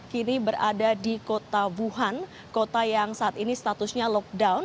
kini berada di kota wuhan kota yang saat ini statusnya lockdown